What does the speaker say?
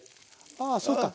あそうか。